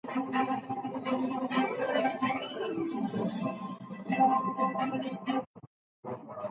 وہ کوئی عجیب سوال تھا